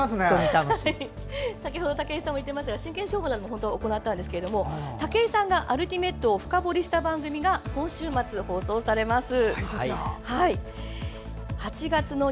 先程武井さんも言っていましたが真剣勝負で行ったんですが武井さんがアルティメットを深掘りした番組が今週末、放送されます。